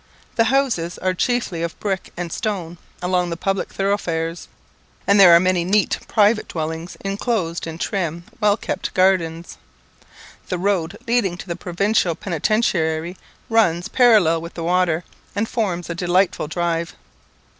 The houses are chiefly of brick and stone along the public thoroughfares, and there are many neat private dwellings inclosed in trim well kept gardens. The road leading to the Provincial Penitentiary runs parallel with the water, and forms a delightful drive.